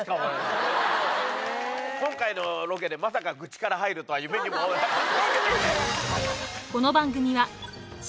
今回のロケでまさか愚痴から入るとは夢にも思わない。